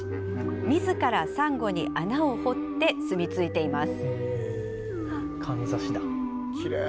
自らサンゴに穴を掘ってすみついています。